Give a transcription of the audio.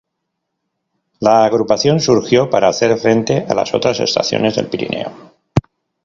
La agrupación surgió para hacer frente a las otras estaciones del Pirineo.